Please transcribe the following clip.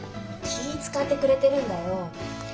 気ぃ遣ってくれてるんだよ。